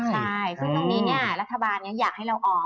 ใช่ซึ่งตรงนี้รัฐบาลอยากให้เราออก